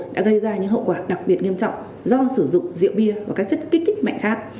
đã gây ra những hậu quả đặc biệt nghiêm trọng do sử dụng rượu bia và các chất kích thích mạnh khác